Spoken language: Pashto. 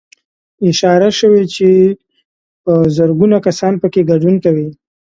اشاره شوې چې په زرګونه کسان پکې ګډون کوي